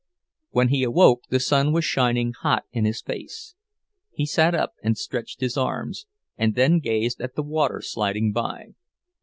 When he awoke the sun was shining hot in his face. He sat up and stretched his arms, and then gazed at the water sliding by.